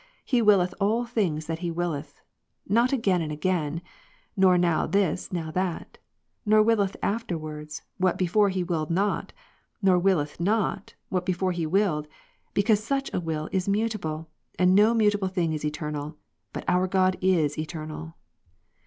He willeth all things that He willeth ; not again and again, nor now this, now that ; nor willeth afterwards, what before He willed not, nor willeth not, what before He willed ; because such a will is mutable ; and no mutable thing is eternal : but our God is eternal.